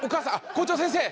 校長先生。